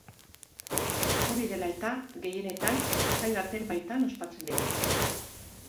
Hori dela eta, gehienetan, jai baten baitan ospatzen dira.